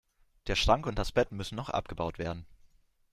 Der Schrank und das Bett müssen noch abgebaut werden.